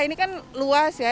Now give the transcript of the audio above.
ini kan luas ya